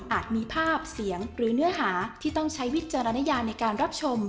มีภาพเสียงหรือเนื้อหาที่ต้องใช้วิจารณญาในการรับชม